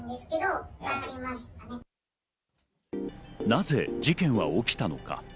なぜ事件は起きたのか？